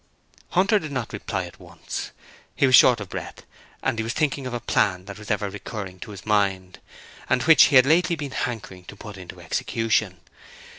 Hunter did not reply at once. He was short of breath and he was thinking of a plan that was ever recurring to his mind, and which he had lately been hankering to put into execution.